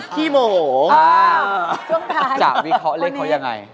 ที่โหมช่วงท้ายจะวิเคราะห์เลขเขายังไง